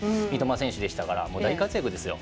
選手でしたから大活躍ですよ。